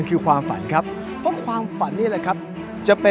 สนุนโดยสถาบันความงามโย